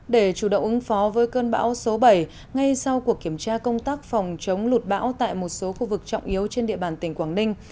để chủ động ứng phó với cơn bão số bảy ngay sau cuộc kiểm tra công tác phòng chống lụt bão tại một số khu vực trọng yếu trên địa bàn tỉnh quảng ninh